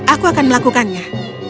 aku akan melakukannya